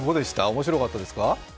面白かったですか？